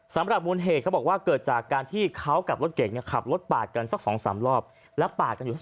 สำหรับมูลเหตุเขาบอกว่าเกิดจากการที่เขากับรถเก่งเนี่ยขับรถปาดกันสัก๒๓รอบแล้วปาดกันอยู่